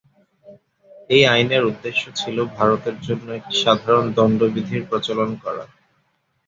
এই আইনের উদ্দেশ্য ছিল ভারতের জন্য একটি সাধারণ দন্ড বিধির প্রচলন করা।